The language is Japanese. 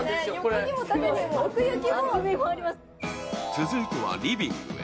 続いてはリビングへ。